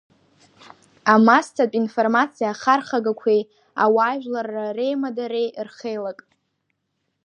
Амассатә информациа ахархәагақәеи, ауаажәларра реимадареи Рхеилак.